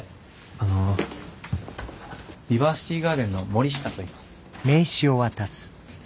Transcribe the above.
あのディバーシティガーデンの森下といいます。